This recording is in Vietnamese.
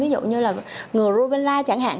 ví dụ như là ngừa rubinla chẳng hạn